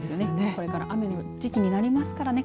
これから雨の時期になりますからね。